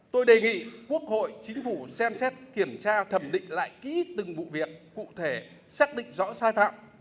tôi đề nghị quốc hội chính phủ xem xét kiểm tra thẩm định lại kỹ từng vụ việc cụ thể xác định rõ sai phạm